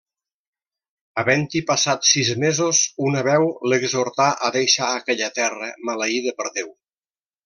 Havent-hi passat sis mesos, una veu l'exhortà a deixar aquella terra, maleïda per Déu.